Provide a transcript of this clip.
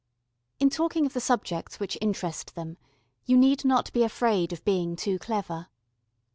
In talking of the subjects which interest them, you need not be afraid of being too clever.